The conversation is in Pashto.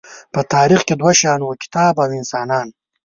په تاریخ کې دوه شیان وو، کتاب او انسانان.